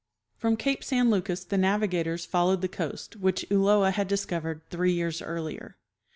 From cape San Lucas the navigators followed the coast, which Ulloa had discovered three years earlier.